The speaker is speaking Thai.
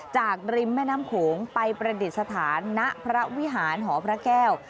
ริมแม่น้ำโขงไปประดิษฐานณพระวิหารหอพระแก้ว